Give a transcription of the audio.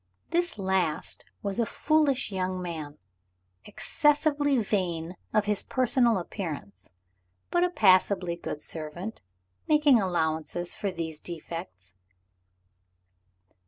This last was a foolish young man, excessively vain of his personal appearance but a passably good servant, making allowance for these defects.